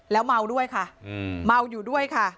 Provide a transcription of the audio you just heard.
แล้วเมาด้วยค่ะเมาอยู่ด้วยค่ะ